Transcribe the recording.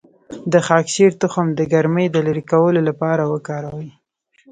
د خاکشیر تخم د ګرمۍ د لرې کولو لپاره وکاروئ